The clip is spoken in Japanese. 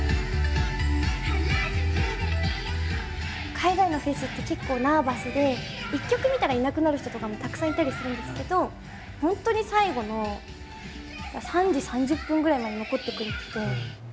海外のフェスって結構ナーバスで１曲見たらいなくなる人とかもたくさんいたりするんですけど本当に最後の３時３０分ぐらいまで残ってくれてて。